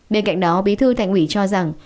bên cạnh đó bí thư thành ủy cho rằng